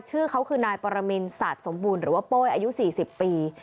ชื่อเขาคือนายปรมินศาสตร์สมบูรณ์หรือว่าโป้ยอายุ๔๐ปี